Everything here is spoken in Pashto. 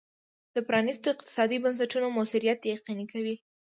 د پرانیستو اقتصادي بنسټونو موثریت یقیني کوي.